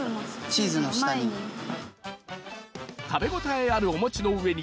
食べ応えあるお餅の上に